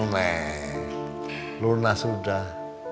nih luna sudah